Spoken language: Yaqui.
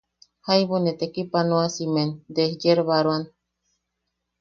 Jaibu ne tekipanoasimen desyerbaroan.